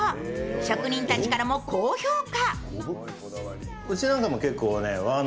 職人たちからも高評価。